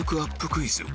クイズ